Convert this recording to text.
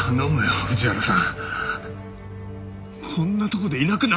藤原さん！